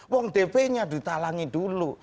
wong dp nya ditalangi dulu